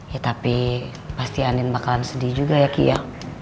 ya tapi pasti andin bakalan sedih juga ya gigi ya